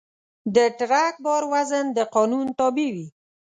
د ټرک بار وزن د قانون تابع وي.